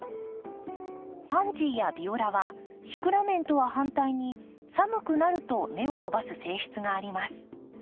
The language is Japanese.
パンジーやビオラはシクラメンとは反対に寒くなると根を伸ばす性質があります。